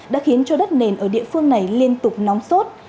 đã khiến cho đất nền ở địa phương này liên tục nóng sốt